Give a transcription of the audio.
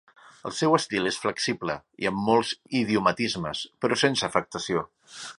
El seu estil és flexible i amb molts idiomatismes, però sense afectació.